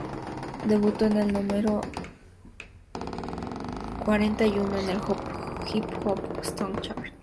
Debutó en el número cuarenta y uno en el Hot Hip-Hop Songs Chart.